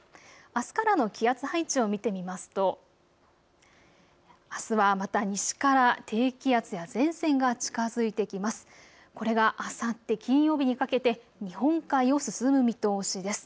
あすからの気圧配置を見てみますとあすはまた西から低気圧や前線が近づいてきます。